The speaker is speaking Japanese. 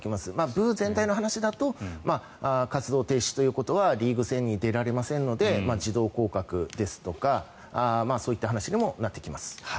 部全体の話だと活動停止ということはリーグ戦に出られませんので自動降格ですとかそういった話にもなってきます。